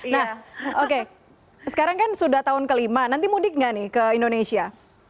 nah oke sekarang kan sudah tahun kelima nanti mudik nggak nih ke indonesia